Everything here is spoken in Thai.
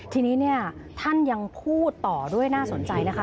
ทีนี้เนี่ยท่านยังพูดต่อด้วยน่าสนใจนะคะ